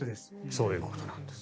そういうことです。